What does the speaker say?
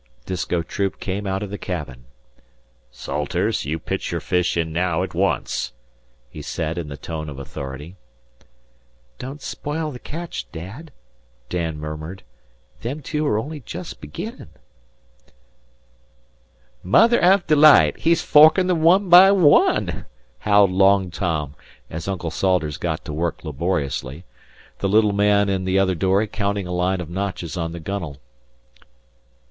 Disko Troop came out of the cabin. "Salters, you pitch your fish in naow at once," he said in the tone of authority. "Don't spile the catch, Dad," Dan murmured. "Them two are on'y jest beginnin'." "Mother av delight! He's forkin' them wan by wan," howled Long Jack, as Uncle Salters got to work laboriously; the little man in the other dory counting a line of notches on the gunwale.